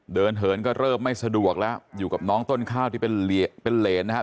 เหินก็เริ่มไม่สะดวกแล้วอยู่กับน้องต้นข้าวที่เป็นเหรนนะฮะ